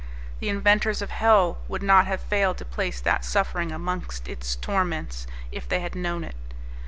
The inventors of hell would not have failed to place that suffering among its torments, if they had known it.